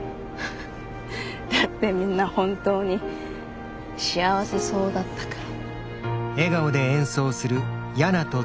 だってみんな本当に幸せそうだったから。